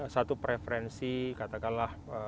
satu preferensi katakanlah